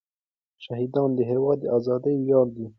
شهیدان د هېواد د ازادۍ ویاړ دی.